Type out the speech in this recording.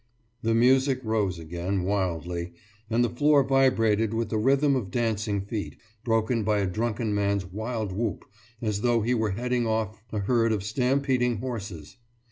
« The music rose again wildly, and the floor vibrated with the rhythm of dancing feet, broken by a drunken man's wild whoop, as though he were heading off a herd of stampeding horses.